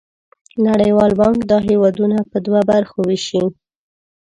نړیوال بانک دا هېوادونه په دوه برخو ویشي.